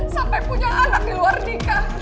sampai punya anak di luar nikah